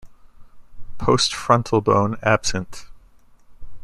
Postfrontal bone absent.